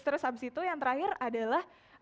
terus habis itu yang terakhir adalah